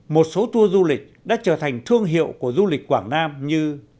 một số tour du lịch đã trở thành thương hiệu của du lịch quảng nam như